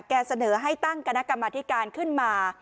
เสนอให้ตั้งคณะกรรมธิการขึ้นมา